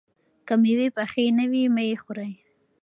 که مېوې پخې نه وي، مه یې خورئ.